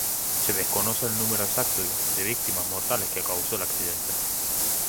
Se desconoce el número exacto de víctimas mortales que causó el accidente.